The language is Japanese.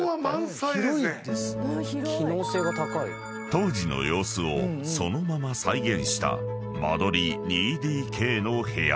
［当時の様子をそのまま再現した間取り２ＤＫの部屋］